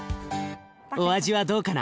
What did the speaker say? お味はどうかな？